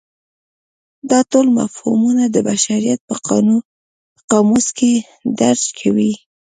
دا ټول مفهومونه د بشریت په قاموس کې درج کوي.